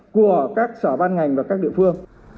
của các sở ban ngành và các địa phương